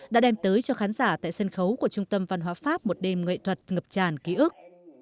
đã đem tới cho khán giả tại sân khấu của trung tâm văn hóa pháp một đêm nghệ thuật ngập tràn ký ức